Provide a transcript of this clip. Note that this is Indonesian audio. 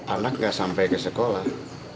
anak gak sampai ke sekolah